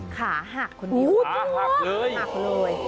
ขาหักคนนี้ขาหักเลย